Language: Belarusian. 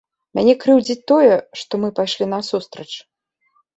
Мяне крыўдзіць тое, што мы пайшлі насустрач.